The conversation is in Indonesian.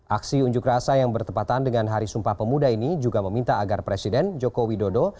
aksi unjuk rasa yang bertepatan dengan hari sumpah pemuda ini juga meminta agar presiden joko widodo